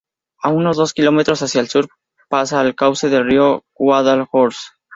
A unos dos kilómetros hacia el sur pasa el cauce del río Guadalhorce.